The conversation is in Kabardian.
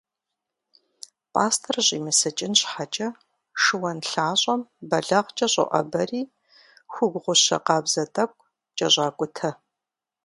Пӏастэр щӏимысыкӏын щхьэкӏэ, шыуан лъащӏэм бэлагъкӏэ щӏоӏэбэри, хугу гъущэ къабзэ тӏэкӏу кӏэщӏакӏутэ.